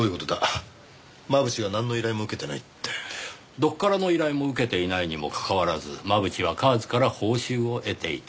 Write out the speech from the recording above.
どこからの依頼も受けていないにもかかわらず真渕はＣＡＲＳから報酬を得ていた。